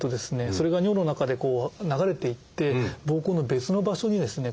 それが尿の中で流れていって膀胱の別の場所にですね